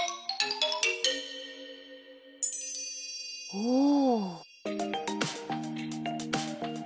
おお！